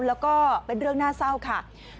แล้วก็เป็นเรื่องน่าเศร้าค่ะ